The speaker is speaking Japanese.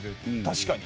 確かに。